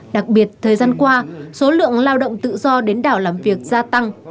đặc biệt thời gian qua số lượng lao động tự do đến đảo làm việc gia tăng